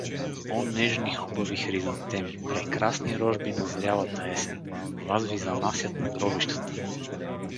О, нежни, хубави хризантеми, прекрасни рожби на зрялата есен, вас ви занасят на гробищата.